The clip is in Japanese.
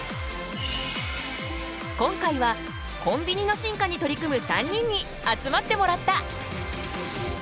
今回はコンビニの進化に取り組む３人に集まってもらった。